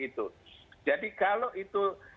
itu jadi kalau itu